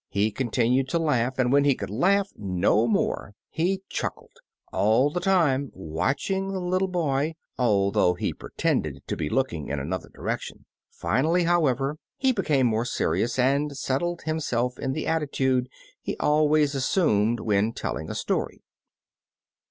He continued to laugh, and when he could laugh no more, he chuckled, all the time watching the little boy, although he pretended to be looking in another direction. Finally, however, he became more serious, and settled himself in the attitude he always assiuned when telling a story.